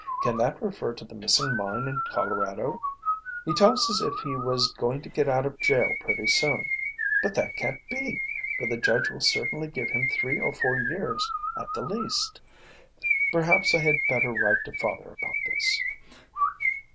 Can that refer to the missing mine in Colorado? He talks as if he was going to get out of jail pretty soon, but that can't be, for the judge will certainly give him three or four years at the least. Perhaps I had better write to father about this."